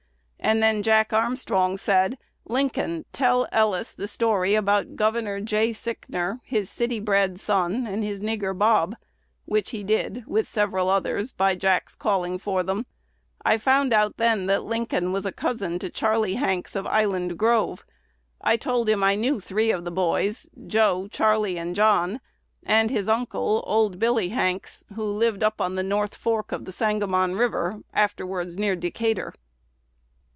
And then Jack Armstrong said, 'Lincoln, tell Ellis the story about Gov. J. Sichner, his city bred son, and his nigger Bob;' which he did, with several others, by Jack's calling for them. I found out then that Lincoln was a cousin to Charley Hanks of Island Grove. I told him I knew three of the boys, Joe, Charley, and John, and his uncle, old Billy Hanks, who lived up on the North Fork of the Sangamon River, afterwards near Decatur."